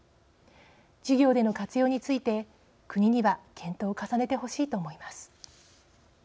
授業での活用について国には検討を重ねてほしいと思います。